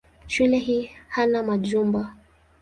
Shule hii hana majumba.